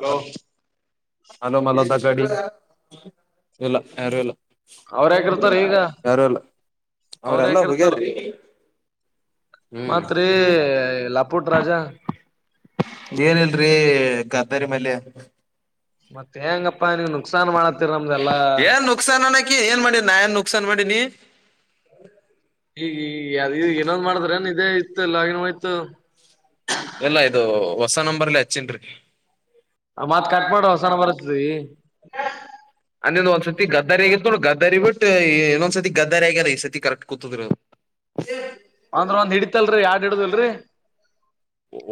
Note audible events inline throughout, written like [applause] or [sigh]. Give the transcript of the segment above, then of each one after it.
Low [inaudible] ಹಲೋಮಲೋದ [unintelligible] ಇಲ್ಲ್ ಯಾರೂಲ್ಲ ಅವ್ರ ಯಾಕಿರ್ತಾರ ಈಗ ಯಾರುಲ್ಲ ಅವ್ರ ಅವ್ರಲ್ಲ ಯಾಕಿರ್ತಾರ ಹೊಗ್ಯಾರ್ರಿ [unintelligible] ಹ್ಮ್ ಮತ್ರಿ ಲಪುಟ್ ರಾಜ ಏನಿಲ್ರಿ ಗದ್ದರಿ ಮಲ್ಯಾ ಮತ್ಹೆಂಗಪ್ಪಾ ನೀನ್ ನುಕ್ಸನ್ ಮಾಡ್ ಏನ್ನುಕ್ಸಾನ್ ಅನಕಿ ಏನ್ ಮಾಡಿ ನಾ ಏನ್ ನುಕ್ಸಾನ್ ಮಾಡಿನಿ. [inaudible] [unintelligible] ಏನಂದ್ ಮಾಡತ್ರನ್ ಇದೇ ಇತ್ತು ಲಾಗಿನ್ ಹೋತ್ತ್ ಸ ನಂಬರ್ಲ್ಲಿ ಅಚ್ಚನ್ರಿ. ಮತ್ಕಟ್ ಮಾಡ್ ಹೊಸನಂಬ್ರ್ ಹರ್ತೀ ಹನ್ನಿಂದು ಒಂದ್ಸತಿ ಗದ್ದಾರಿ ಆಗಿತ್ತು ನೋಡ್ ಗದ್ದ ದ್ದರಿ ಬಟ್ ಇನ್ನೊಂದ್ ಸತಿ ಗದ್ದಾರಿ ಆಗ್ಯದ ಈ ಸತಿ ಕರೆಕ್ಟ್ ಕೂತದ್ರಿ ಅಂದ್ರ ಒಂದ್ ಹಿಡಿತಲ್ರಿ ಯಾರ್ಡ್ ಹಿಡುದಲ್ರಿ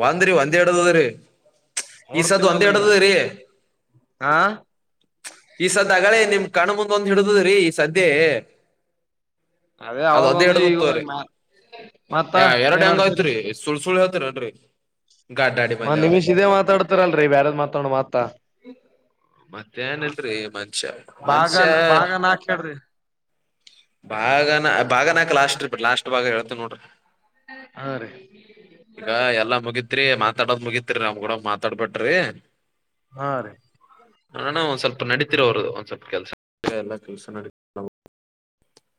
ಒಂದ್ರೀ ಒಂದ್ ಹಿಡದದ್ರಿ. ಈ ಸದ್ದ ಒಂದ ನೋಡ್ತೀನಲ್ಲ ಈಗ ಹಿಡ್ದ ರೀ ಹಾ ಈ ಸದ ಅಗಳೆ ನಿಮ್ ಕಣ್ಮುಂದ್ ನ್ನೊಂದ್ಹಿಡುದದ್ರೀ ಸದ್ಯೆ ಅದೇ ಅವಾಗೊಂದು ಈಗೊಗ್ಮ ಮತ್ತ್ ಎರಡ್ ಏನ್ ಆಡ್ಸಿರಿ. [inaudible] ಗಡ್ಡಾಡಿ ಮಲ್ಲೆವ್ರಿ ನಿಮಿಷ [inaudible] ಇದೇ ಮಾತಾಡ್ತಾರಲ್ರರಿ ಬ್ಯಾರದ್ ಮಾತಾಡ ಮತ್ತ ಮತ್ತೇನ್ನಿಲ್ರಿ ಮನ್ಷ್ಯ ಭಾಗ ಮನ್ಷ್ಯ ಭಾಗ ನಾಕ್ ಹೇಳ್ರಿ ಬಾಗನ ಬಾಗ್ನ ಲಸ್ಟ್ರ್ ಬಿ ಲಾಸ್ಟ್ ಬಾಗ ಹೇಳ್ತನೋಡ್ರಿ. ಹಾ ರೀ ಗ ಎಲ್ಲಾ ಮುಗಿತ್ ತ್ರಿ ಮಾತಾಡದ್ ಮುಗಿತ್ರಿ ನಮ್ಗೂಡ್ ಮಾತಾಡ್ಬಟ್ರಿ. ಹಾ ರೀ ಅಣ ಒಂದ್ ಸ್ವಲ್ಪ ನಡೀತ್ರಿ ಅವ್ರ ಒಂದ್ ಸ್ವಲ್ಪ ಕೆಲ್ಸ [unintelligible] ನಡ್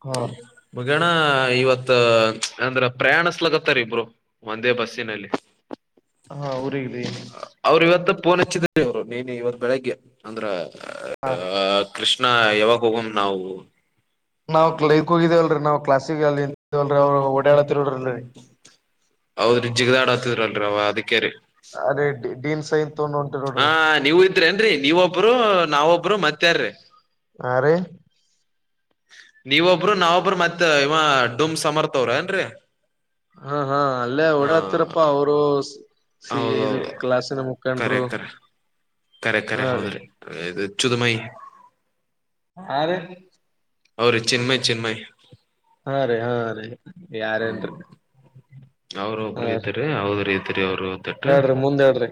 ಹ ಗೆಣ ಇವತ್ ಅಂದ್ರ ಪ್ರಯಾಣಸ್ಲಗತ್ತರಿ ಇಬ್ರು ಒಂದೇ ಬಸ್ ಚಿನಲ್ಲಿ. ಹಾ ಊರಿಗ್ರಿ ಅವರು ಇವತ್ತು ಫೋನ್ ಹಚ್ಚಿ [unintelligible] ಇವ್ರು. ಮೇ ಬಿ ಇವತ್ ಬೆಳಗ್ಗೆ ಅಂದ್ರ ಹಾ ಆ ಕೃಷ್ಣ ಯಾವಾಗ್ ಹೋಗಮ್ ನಾವು. ನಾವ್ [unintelligible] ಹೋಗಿದೇವಲ್ರರಿ ನಾವ್ ಕ್ಲಾಸಿಗೆ ಅಲ್ಲಿ ವಲ್ರಿ ಅವ್ರು ಓಡಾಡತಿರ್ರಲ್ರಿ. ಹೌದು ಜಿಗದಾಡ್ ಹತ್ತಿದ್ರಲ್ರಿ ಅವ ಅದಕ್ ಕೆರೆ ಅದೇ ಡೀನ್ ಸೈನ್ ತಗೊಂಡ್ ಹೊಂಟಿವ್ ನೋಡ್ರಿ ಹಾ ನೀವು ಇದ್ರೇ ಏನ್ರಿ. ನೀವೊಬ್ರು ನಾವೊಬ್ರು ಮತ್ತ್ಯಾರಿ? ಆ ರಿ. ನೀವೊಬ್ರು ನಾವೊಬ್ರು ಮತ್ತ ಇವ ಡುಮ್ ಸಮರ್ಥವ್ರ ಏನ್ರಿ. ಹಾ ಹಾ ಅಲ್ಲೇ ಹ ಓಡ ಹತ್ರಪ್ಪಾ ಅವ್ರು. ಸಿ ಇದು ಹೌದೌದು ಕ್ಲಾಸಿನ ಮುಖಂಡ್ರು. ಖರೆ ಖರೆ ಹಾ ರೀ ಹೌದ್ರಿ. ಅದು [unintelligible] ಹ ರೀ. ಹೌವ್ರಿ ಚಿನ್ಮಯ್ ಚಿನ್ಮಯ್. ಹಾ ರೀ ಹಾ ರಿ. ಯಾರೆನ್ರಿ? ಅವ್ರೊಬ್ರು ಇದ್ದಾರೆ ಅವ್ ಬರಿ ಇದ್ರಿ ಅವ್ ಹೇಳ್ರಿ ಮುಂದ್ ಹೇಳ್ರಿ.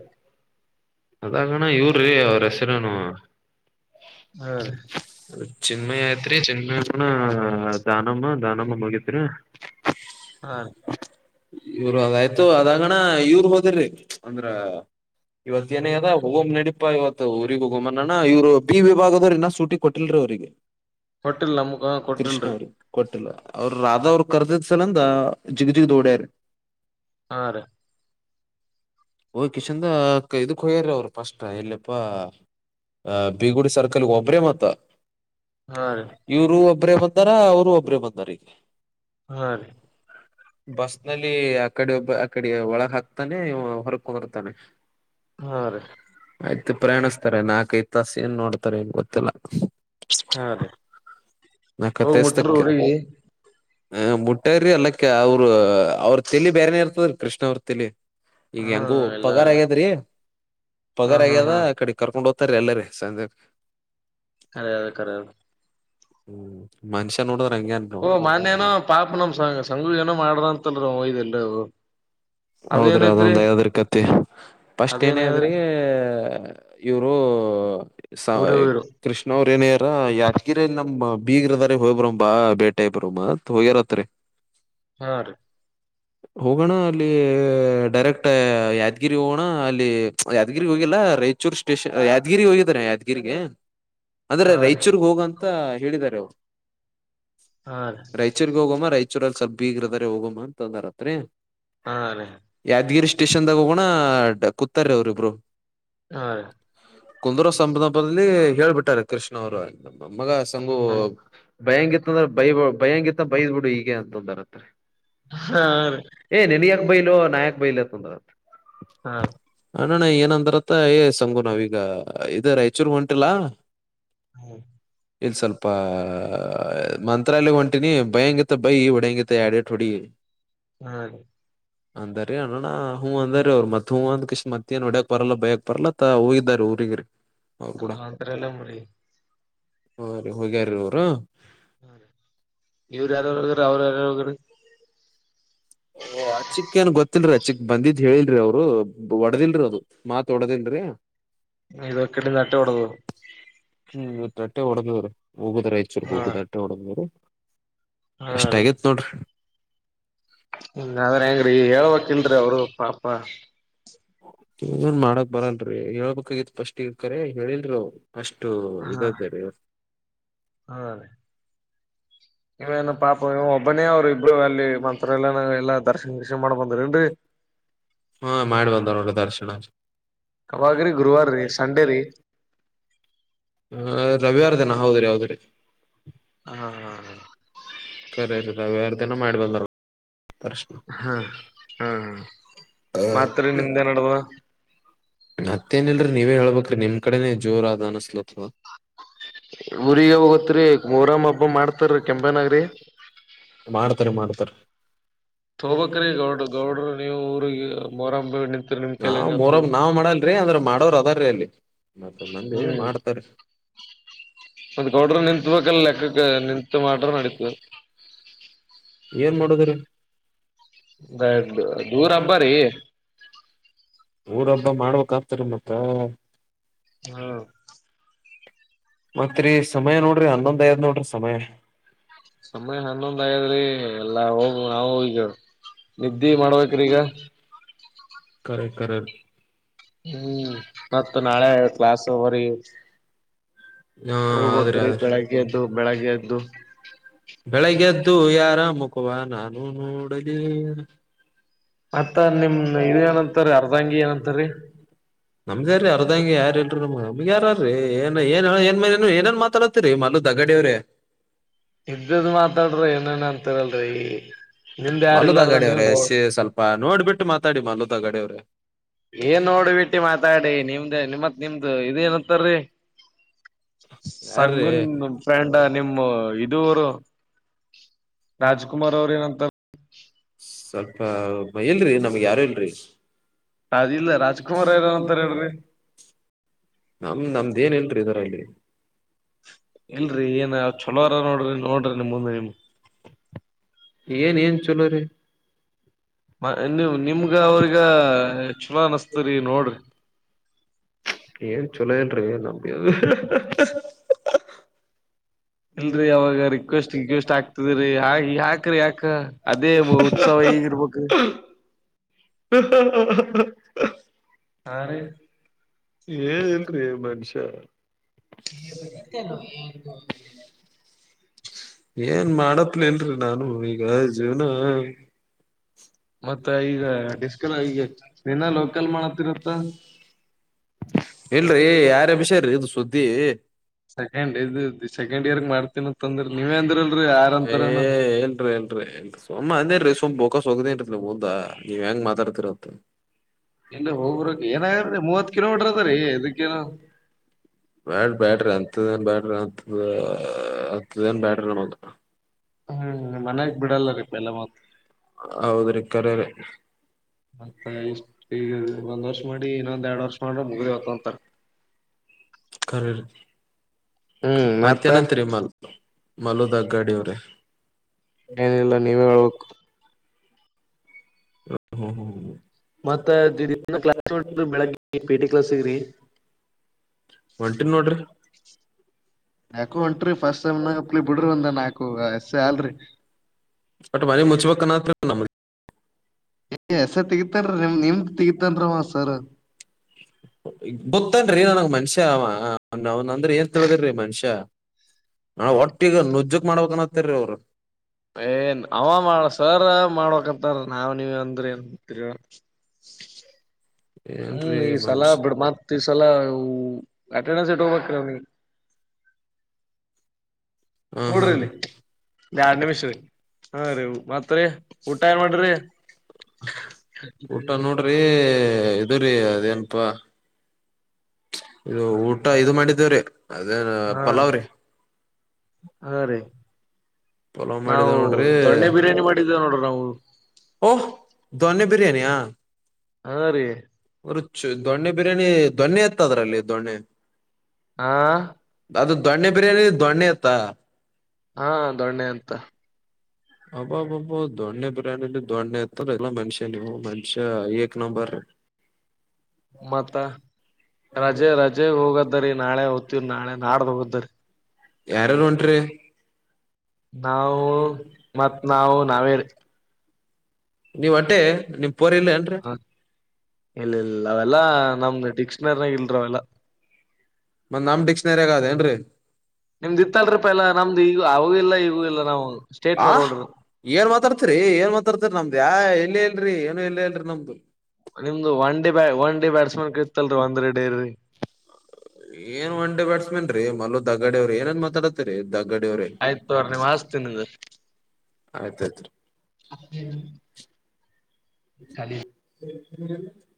ಅದಾಗಣ ಇವ್ರೀ ಅವ್ರ್ ಹೆಸ್ರೇನು? ಹ್ಮ್ ಚಿನ್ಮಯಾತ್ರಿ ಚಿನ್ಮಯ ದಾನಮ್ಮ ದಾನಮ್ಮ ಮಗತ್ರಿ ಹಾ ಇವ್ರು ಅದಾಯ್ತು ಅದಾಗಣ ಇವ್ರ್ ಹೋದಿರಿ ಅಂದ್ರ. ಇವತ್ ಏನ ಅದ ಹೋಗೋಮ್ ನಡಿ. ಇಪ್ಪ ಇವತ್ತು ಊರಿಗ ಗಮ್ಮನಣ ಇವರು ಬಿ ವಿಭಾಗದವರು ಇನ್ನ ಸೂಟಿ ಕೊಟ್ಟಿಲ್ರರಿ ಅವರಿಗೆ. ಕೊಟ್ಟಿಲ್ಲ ನಮಕ್ ಹ ಕೊಟ್ಟಿಲ್ರಿ. ಅವ್ರರು ರಾಧ ಅವ್ರರು ಕರ್ದಿದ್ ಸಲ ಅಂದ ಜಿಗ್ ಜಿಗದ ಓಡ್ಯಾರ ರೀ. ಹಾ ರೀ. ಹೋಗೇಶಿನಿಂದ ಇದಕ್ ಹಯ್ಯಾರ ಅವರು ಫಸ್ಟ್ ಇಲ್ಲಪ್ಪಾ ಅ ಬಿಗುಡಿ ಸರ್ಕಲ್ ಒಬ್ರೇ ಮತ್ತ. ಹಾ ರೀ ಇವರು ಒಬ್ಬರೇ ಬತಾರ ಅವರು ಒಬ್ ಇಬ್ರೇ ಬಂದಾರಿಗೆ. ಹಾ ರೀ. ಬಸ್ ಅಲ್ಲಿ ಆ ಕಡೆ ಒಬ್ಬ ಆಕಡೆ ಒಳಗ ಹಾಕ್ತಾನೆ ಇವ ಹೊರಕ ಕೂಡ್ತಾನೆ. ಹ ರೀ. ಪ್ರಯಾಣಿಸ್ತಾರೆ ನಾಲ್ಕೈದು ತಾಸ ಏನ್ ನೋಡ್ತಾರೆ ಏನ್ ಗೊತ್ತಿಲ್ಲ. ಹಾ ರೀ ಹೋಗ್ ಮುಟ್ರ ಊರಿಗೆ. ಹ ಮುಟ್ಟಾರ್ರಿ ಅಲ್ಲಕ್ಕ ಅವರ ಅವ್ರರು ಚೆಲಿ ಬ್ಯಾರೆನ ಇರ್ತದೀ ಕೃಷ್ಣ ಅವ್ರ ತೆಲಿ. ಈಗ ಹಾ ಹೆಂಗು ಎಲ್ಲಾ ಪಗಾರ ಆಗ್ಯಾದ್ರಿ ಹಾ ಪಗಾರ ಹಾ ಆಗ್ಯದ ಹಾ ಆ ಕಡೆ ಕರ್ಕೊಂಡ ಹೋಗ್. ಹತಾರೆ ಎಲ್ಲಾರ ಸಂದ್ಯ ಕರದ ಯಾವ್ದ್ಕರ. ಹ್ಮ್ ಮನುಷ್ಯನೋಡದ ಓ ಮಾನ್ಯನೋ ಪಾಪ ನಮ ಸಂ ಸಂಗು ಏನೋ ಮಾಡ್ರ ಅಂತಲ್ರ [unintelligible] [inaudible] ಹೌದ್ರಿ ಅದೊಂದ್ ಐದರ್ ಕತಿ ಪಸ್ಟ್ ಅದೇನದ್ರಿ ಏನೇದ್ರಿ. ಇವರು. ಸ ಉರಿ ಉಯಿರು ಕೃಷ್ಣ ಅವರ ಏನ ಯಾದಗಿರಿ ನಮ್ಮ ಬೀಗಿರದಾರ ಹೋಗ್ಬ್ರ ಬಾ ಬೇಟಿಯಾಗಿ ಬರುನ ಅಂತ ಹೋಗ್ಯಾರತ್ರಿ. ಹಾ ರೀ. ಹೋಗೋಣ ಅಲ್ಲಿ ಡೈರೆಕ್ಟ್ ಯಾದ್ಗಿರಿ ಹೋಗೋಣ ಅಲ್ಲಿ ಯಾದಗಿರಿ ಹೋಗಿಲ್ಲ ರೈತ್ ಚ ಸ್ಟೇಷ ಯಾದಗಿ ಹೋಗಿದ್ರಿನ ಯಾದ್ಗೀ ಗಿರಿಗೆ. ಅಂದ್ರೆ ಹಾ ರೀ ರೈಚೂರ್ಗ್ ಹೋಗಂ ತ್ತ ಹೇಳಿದಾರಿ ಅವರು. ಹಾ ರೀ ರಾಯಚೂರ್ರಿಗ್ ಹೋಗೋಮ್ಮ ರಾಯಚೂರಲ್ಲಿ ಸಬ್. ಬೀಗುರ್ ಬೇರೆ ಹೋಗುಮ್ಮ ಅಂತ ಅಂದ ರಾತ್ರಿ. ಹಾ ರೀ ಯಾದ್ಗಿರಿ ಸ್ಟೇಷನ್ದಾಗ್ ಹೋಗೊಂಡ್. ನಾ ಡ್ ಕುತಾರೆ ಅವರಿಬ್ರು. ಹಾ ರೀ ಕುಂದೂರು ಸಂಬ್ದ್ ಹಬ್ಬದಲ್ಲಿ. ಹೇಳ್ಬಿಟ್ಟಾರೆ ಕೃಷ್ಣ ಅವ್ರು ನಮ್ಮ ಮ ಮಗ ಸ್. ಸಂಭು ಬೈಹಂಗಿತ್ತ ಅಂದ್ರೆ ಬೈಬೇಕ್. ಬೈಯಂಗಿತ್ತ ಬೈದ್ ಬಿಡು ಈಗೇನ್ ದೊಡ್ಡ [unintelligible] ಹಾ ರೀ ಹೇ ನಿನಗ್ ಯಾಕ್ ಬೈಲೋ ನಾ ಯಾಕ್ ಬೈಲೋ [unintelligible] ಹಾ ನೋಡಣ ಏನಂದಾರತ್ತ ಏ ಸಂಗು ನಾವೀಗ ಇದರ ರಾಯಚೂರ್ ಹೊಂಟಿಲ್ಲ. ಹ್ಮ ಇಲ್ ಸ್ವಲ್ಪ ಮಂತ್ [unintelligible] ಒಂಟಿನಿ ಬೈಯಂಗಿದ್. ಬೈ ಹೊಡೆಂಗಿದ್ರೆ ಎರಡೆಟ್ ಹೊಡಿ ಹಾ ರೇ ಅಂದರೇ ಅರುಣಾ ಹೂ ಅಂದಾರ ಅವ್ರ್ ಮತ್ ಹೂ ಅಂದ ಕಿಷ್ ಮತ್ತ ಏನ್ ಹೊಡಿಯಕ್ ಬರಲ್ಲ ಬೈಯಕ್ ಬರಲ್ಲತ್ತ ಹೋಗಿದಾರ ಊರಿಗಿರಿ. ಅದ್ರಲ್ಲೇ ಮುರಿ ಹೂ ರೀ ಹೋಗ್ಯಾರ ಊರು ಹಾ ರೀ ಇವ್ರು ಯಾರಗ್ರ ಅವ್ರ ಯಾರ್ [unintelligible] ಓ ಅಚ್ಚಿಕ್ಏನ್ ಗೊತ್ತಿಲ್ರರಿ ಚ್ಚಿಕ್ ಬಂದಿದ್ ಹೇಳಿಲ್ರರಿ ಅವ್ರು ಓಡ್ದಿಲ್ರಿ ಅದು ಮಾತ್ ಒಡದಿಲ್ರರಿ. ಇದುಕ್ಕ [unintelligible] ಹೋಡುದ್ರು ಹ್ಮ್ ಇವತ್ ರಟ್ಟೆ ಹೊಡ್ದವ್ರೆ. ಹೂಗುದ್ರ ರೈಚ್ಚೂರ್ ಹಾ ಹೋಗು ರಟ್ಟೆ ಹೊಡ್ದಿದ್ರೆ. ಇಸ್ಟ್ ಆಗಿತ್ ನೋಡ್ರಿ ಹ್ಮ ಅವ್ರ್ ಹೆಂಗ್ರೀ ಹೇಳ್ಬೇಕ ಇಲ್ರಿ ಅವ್ರು ಪಾಪ್. ಪಾ ಇನ್ ಮಾಡಕ್ ಬರಲ್ರರಿ ಹೇಳ್ಬೇಕಾಗಿತ್ತು ಫಸ್ಟ್ ಇಕರೇ ಹೇಳಿಲ್ ರೀ ಅವ್ರ್. ಅಷ್ಟು ಇದೆ [unintelligible] ಹ ಇವೇನು ಪಾಪ ಇವ ಒಬ್ಬನೇ ಅವ್ರು ಇಬ್ರು ಅಲ್ಲಿ ಮಂತ್ರಲಯ್ ಎಲ್ಲನ ಎಲ್ಲ ದರ್ಶ [unintelligible] ಹ ಮಾಡ್ಬಂದ ನೋಡ್ ದರ್ಶನ ಕವಾಗ್ರಿ ಗುರುವಾರ ರೀ ಸಂಡೇ ರೀ ಹ ರವಿವಾರ ದಿನ ಹೌದ್ರಿ ಹೌದ್ರಿ ಹಾ ಕರೆರಿ ರವಿವಾರ್ ದಿನ ಮಾಡ್ಬಂದರ ಹ ಹ ಹ [unintelligible] ಮತ್ತಿ ನಿಮ್ಡೆನ್ ನಡ್ದದ ಮತ್ತೇನಲ್ರೀ ನೀವೇ ಹೇಳ್ಬೇಕ್ ನಿಮ್ ಕಡೆನೇ ಜೋರಾದ ಅನಸ್ಲತದ ಊರಿಗ ಹೋಗತ್ರಿ ಮೊಹರಂ ಹಬ್ಬ ಮಾಡ್ತಾರ ಕೆಂಪೇನಾಗ್ರಿ [unintelligible] ಮಾಡ್ತರೆ ಮಾಡ್ ತರ್ ತೋಗ್ಬೆಕ್ರಿ ಗೌಡ್ರು ಗೌಡ್ರು ನೀವು ಊರಿಗಿ ಮೊರಂ ನಿಂತರಿ ನಿಮ್ ಕೈಲಿ ನಾವ್ ಆಗ್ತದ ಮೊರಂ ನಾವ್ ಮಾಡಲ್ರಿ ಅಂದ್ರ ಮಾಡೋರ ಅದರ್ರೀ ಅಲ್ಲಿ ಮತ್ತ ಮಂದಿ ಹ್ಮ್ ಮಾಡ್ತರೀ [unintelligible] ಗೌಡ್ರ ನಿತ್ಬೇಕಲ್ಲ ಲೆಕ್ಕಕ್ಕ ನಿತ್ ಮಾಡ್ರ ನಡೀತದ ಏನ್ ಮಾಡದಿರಿ [unintelligible] ಊರ್ ಹಬ್ಬ ರೀ ಊರಬ್ಬ ಮಾಡ್ಬೇಕ್ ಆಗ್ತಾರಿ ಮತ್ತ ಹ ಮತ್ರಿ ಸಮಯ ನೋಡ್ರಿ ಹನ್ನೊಂದ್ ಆಗ್ಯಾದ್ ನೋಡ್ರಿ ಸಮಯ. ಸಮಯ ಹನ್ನೊಂದ್ ಆಗ್ಯಾದ್ರಿ ಎಲ್ಲಾ ಹೋದ್ರ್ ನಾವ್ ಹೀಗ ನಿದ್ದಿ ಮಾಡ್ಬೇಕ್ರಿ ಈಗ. ಕರೆ ಕರೇ ಹ್ಮ್ ಮತ್ತ ನಾಳೆ ಕ್ಲಾಸ್ ಅದರಿ ಹಾ ಆದ್ರಿ ಆದ್ರಿ ಬೆಳಗ್ಗೆ ಎದ್ದು ಬೆಳಗ್ಗೆ ಎದ್ದು [unintelligible] ಬೆಳಿಗ್ಗೆ ಎದ್ದು ಯಾರ ಮು ಖವ ನಾನು ನೋಡಲಿ [unintelligible] ಮತ್ತ ನಿಮ್ ಇದ ಏನಂತಾರ ಅರ್ಧಂಗಿ ಏನಂತಾರೀ ನಮ್ದೇ ಅರ್ ಅರ್ಧಂಗಿ ಯಾರಿಲ್ರಿ ನಮಗ ನಮಗ ಯಾರ್ ಆರ್ರೀ ಏನ್ ಏನ್ ಏನ್ ಏನೇನ್ ಮಾತಾಡ್ತತಿರಿ ಮಲ್ಲ ದಗಡವ್ರೆ ಇದ್ದುದು ಮಾತಾಡ್ರೋ ಏನೇನ್ ಅಂತರಲ್ರರಿ ಮಾಲುದ ಗಾಡಿ ಅವ್ರೆ ಎಸಿ ಸ್ವಲ್ಪ ನೋಡ್ಬಿಟ್ಟು ಮಾತಾಡಿ ಮಾಲುದ್. ತಗಡವ್ರೆ ಏನ್ ನೋಡ್ ಬಿಟ್ಟಿ ಮಾತಾಡಿ ನಿಮ್ದ ನಿಮ್ಮತ್. ನಿಮ್ ಇದು ಇದೇನಂತರ್ರಿ ಯಾರ್ರೀ ಸಂಗುನ್ ಫ್ರೆಂಡ್ ನಿಮ್ಮ ಇದೂರು ರಾಜ್ಕುಮಾರ್ ಅವ್ರ ಏನಂತ. ಸ್ವಲ್ಪ ಭಯಿಲ್ರಿ ನಮ ಗಯಾರಿಲ್ರಿ ಅದಿಲ್ಲ ರಾಜ್ಕುಮಾರ್ ಏನನ್ಂತಾರ ಹೇಳ್ರಿ. ನಮ್ ನಮ್ದೆನ್ ಇಲ್ರ್ರಿ ಇದರಲ್ಲಿ. ಇಲ್ರಿ ಏನ್ ಚಲೋರ ನೋಡ್ರಿ ನೋಡ್ರಿ ನಿಮುಂದೆ ನಿಮ್. ಏನ್ ಏನ್ ಚಲೋರಿ. ಮ ನೀ ನಿಮ್ಗ ಅವ್ರಗ. ಚಲೊ ಅನಸ್ತರಿ ನೋಡ್ರಿ. ಏನ್ ಚಲೋ ಇಲ್ರಿ ನಂಬಿಯದು. ಇಲ್ರಿ ಅವಾಗ ರಿಕ್ವೆಸ್ಟ್ ಇಕ್ವೆಸ್ಟ್ ಆಗ್ತದ್ರರಿ ಆ ಯಾಕ್ರಿ ಯಾಕ ಅದೇ ಉತ್ಸವ ಈಗಿರ್ಬಕು. ಹ ಹ ಹ ಆರಿ ಏನಿಲ್ರಿ ಮನುಷ್ಯ. [inaudible] ಏನ್ ಮಾಡತ್ಲ್ ಇಲ್ರಿ ನಾನು ಈಗ ಜೀವನ. ಮತ್ತೆ ಈಗ ಡಿಸಕಲ್ ಈಗ ನಿನ್ನ ಲೋಕಲ್ ಮಾಡತ್ತಿರುತ್ತ. ಇಲ್ರಿ ಯಾರಭಿಷ್ಯರಿ ಇದು ಸುದ್ದಿ. ಸೆಕೆಂಡ್ [inaudible] ಗ್ [inaudible] ಮಾಡ್ತನಿ ಅಂತಂದ್ರ ನೀ ಏ ಎಲ್ರಿ ಎಲ್ರಿ ಎಲ್ ಸುಮ್ಮ ಅಂದೇರಿ ಸುಮ ಹ [inaudible] ನೀವ್ ಹೆಂಗ ಮಾತಾಡ್ತಿರ ಇಲ್ಲ ಹೋಗ್ರಕ್ ಏನಾಗ್ರೀ ಮೂವತ್ ಕಿಲೋಮೀಟರ್ ಅದ ರೀ ಇದಕ್ಕೇನು ಬ್ಯಾಡ್ರ್ ಬ್ಯಾಡ್ರಿ. ಹತ್ತುದ ಬ್ಯಾಟರಿ ಹತ್ತು... ಹತ್ತುದೇನ್ ಬ್ಯಾಟರಿಮ ಹ್ಮ್ ಮನ್ಯಾಗ ಬಿಡಲ್ಲ ರೀಪ ಎಲ್ಲ ಮತ್. ಹೌದ್ರಿ ಕರೇರಿ ಮತ್ತೆ ಇಷ್ಟ ಈಗ ಒಂದ್ ವರ್ಷ ಮಾಡಿ ಇನ್ನೊಂದ್ ಎರಡ್ ವರ್ಷ ಮಾಡ್ರೆ ಮುಗ್ದೆಹೊತ್ ಅಂತಾರ. ಖರೇ ರಿ. ಹ್ಮ್ ಮತ್ತ ಮತ್ತೆನಂತರಿಮ್ಮಲ್. ಏನಿಲ್ಲ ನೀವೇ ಹೇಳ್ಬೇಕು ಹ ಹ ಹಾ ಹ ಮತ್ತ ಕ್ಲಾಸ್ ನೋಡ ಬೆಳಗ್ಗೆ ಪಿ ಟಿ ಕ್ಲಾಸ್ಗ್ರಿ ಒಂಟಿನ ನೋಡ್ರಿ ಯಾಕು ಹೊಂಟ್ರಿ ಫಸ್ಟ್ ಟೈಮ್ ನಪ್ಲಿ ಬಿಡ್ರಿ ಒಂದ ನಾಕು ಎಷ್ಟ ಸಲ್ರಿ ಒಟ್ ಮನಿ ತೆಗಿತನ್ರಿ ನಿಮ್ ನಿಮ್ದ್ ತೆಗಿತನ್ರಿ ಅವ ಸರ್. ನೋಡ್ತದೆ [inaudible] ಗೊತ್ತನ್ ನನ್ಗ್ ಮನ್ಷ್ಯ ನನ್ ಅಂದ್ರ ಏನ್ ತಿಳ್ದಿ ಮನ್ಷ್ಯ ನ ಒಟ್ಟಿಗ ನುಜ್ಜಕ್ ಮಾಡ್ಬನ್ತ್ತಾರೀ ಅವರು ಏನ್ ಅವಾಮ ಸರ್ ಮಾಡೋ ನಾವ್ ನೀವ್ ಅಂದ್ರೆ ಏನ್ಂತೀ [unintelligible] ಹ್ಮ್ ಏನ್ರೀ ಈ ಸಲ ಮನ್ಷ್ ಬಿಡ ಮತ್ ಸಲ [inaudible] [unintelligible] ಹಾ ಹಾ ಕೂಡ್ರಿ ಇಲ್ಲಿ ಎರಡ್ ನಿಮಿಷ ಹಾ ರೀ ಮತ್ರರಿ ಊಟ ಏನ್ ಮಾಡ್ರಿ ಇ ರಿ ಅದೇಏನಪಾ ಇದು ಊಟ ಇದು ಮಾಡಿದೇವ್ರೀ ಅದೇನ ಹಾ ಪಲಾವ್ರಿ ಹಾ ರೀ ಪಲಾವ್ ನಾವು ಮಾಡಿದೇವ್ ನೋಡ್ರಿ ದೊಣ್ಣೆ ಬಿರಿಯಾನಿ ಮಾಡಿದ್ದೇವೆ ನೋಡ್ರಿ ನಾವು ಹೌ ಓಹ್ ದೊನ್ನೆ ಬಿರಿಯಾನಿ ಹಾ ಹಾ ರೀ ರುಚ್ಙ ದೊಣ್ಣೆ ಬಿರಿಯಾನಿ ಧಣ್ಣೆತ್ ಇತ್ ಅದ್ರಲ್ಲಿ ದೊಣ್ಣೆ ಹಾ ಅದು ದೊಣ್ಣೆ ಬಿರಿಯಾನಿ ದೊಣ್ಣೆ ಹಾ ಹಾ ದೊಣ್ಣೆ ಅಂತ ಹಬ್ಬಬ್ಬಬ್ಬ ದಣ್ಣೆ ಬಿರ್ಯಾನಿಲಿ ದಣ್ಣೆ ಇತ್ತಾರ ಎಲ್ಲಾ ಮನುಷ್ಯ ನೀವು ಮನುಷ್ಯ ಏಕ್ ನಂಬರ್ ಮತ್ತ ರಜೆ ರಜೆ ಹೋಗದ್ದರಿ ನಾಳೆ ಹೊತ್ತಿವ್ ನಾಳೆ ನಾಡ್ದ ಹೋದ್ದರಿ. ಯಾರ್ ಯರು ಹೊಂಟ್ರಿ. ನಾವು ಮತ್ ನಾವು ನಾವೇರಿ. ನೀವ್ ಅಟ್ಟೆ ನಿಮ್. ಪೋರ್ ಇಲ್ಲ ಏನ್ರೀ ಹ ಇಲ್ ಇಲ್ಲ ಅವೆಲ್ಲಾ ನಮ್ದು ಡಿಕ್ಷನರಿನಾಗ ಇಲ್ರಿ ಅವೆಲ್ಲಾ. ಮತ್ ನಮ್ ಡಿಕ್ಷನರಿಯಾಗ ಅದ ಏನ್ರೀ ನಿಮ್ದ ಇತ್ತಲ್ರಿ ಪಲ್ಲಾ ನಮ್ದು ಈಗ ಅವಗೂ ಇಲ್ಲ ಈಗೂ ಇಲ್ಲ ನನಮುಗ್ ಸ್ಟೇಟ್ ಆ ಫಾರ್ವರ್ಡ್ ಇರುತ್. ಏನ್ ಮಾತಾಡ್ತಿರಿ [unintelligible] ನಮ್ದ್ ಯಾ ಏನು ಇಲ್ಲೇ ಇಲ್ರಿ ಏನು ಇಇಲ್ಲೇ ಇಲ್ರಿ ನಮ್ದು. ದವಂದರ್ ಡೈರಿ. ಏನ್ ಒನ್ ಡೇ ಬ್ಯಾಟ್ಸ್ಮನ್. ರಿ ಮಲ್ದಗಡವ್ರಿ ಏನೇನ್ ಮಾತಾಡತ್ರಿ ದ. ಆಯ್ತ್ ತೊಗೋರಿ ನೀವ್ ಹಸ್ತೀನ್. ಆಯ್ತಾಯ್ತ್ರಿ ಹ್ಮ [unintelligible]